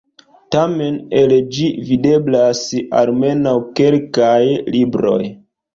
Tamen el ĝi videblas almenaŭ kelkaj libroj.